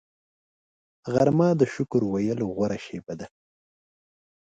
غرمه د شکر ویلو غوره شیبه ده